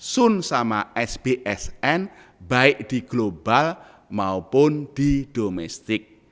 sun sama sbsn baik di global maupun di domestik